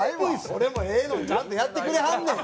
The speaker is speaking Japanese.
俺もええのんちゃんとやってくれはんねん！